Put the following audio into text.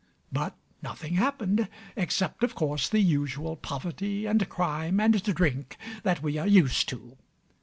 But nothing happened, except, of course, the usual poverty and crime and drink that we are used to.